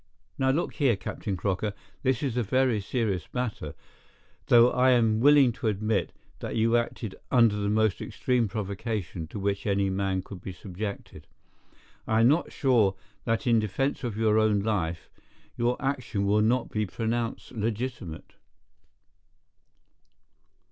Now, look here, Captain Crocker, this is a very serious matter, though I am willing to admit that you acted under the most extreme provocation to which any man could be subjected. I am not sure that in defence of your own life your action will not be pronounced legitimate.